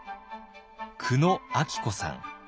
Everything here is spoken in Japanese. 久野明子さん。